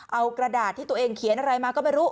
เอากระดาษที่ตัวเองเขียนอะไรมาก็ไม่รู้